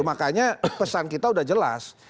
makanya pesan kita sudah jelas